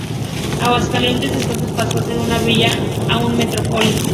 Aguascalientes, entonces, pasó de ser una villa a una metrópoli.